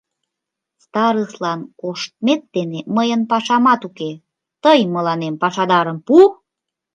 Старыслан коштмет дене мыйын пашам уке, тый мыланем пашадарым пу!